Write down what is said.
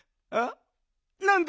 なんだ？